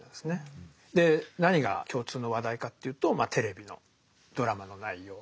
で何が共通の話題かっていうとテレビのドラマの内容。